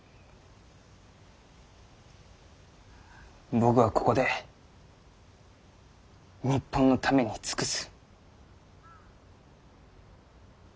僕はここで日本のために尽くす。